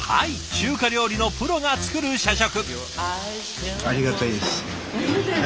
中華料理のプロが作る社食。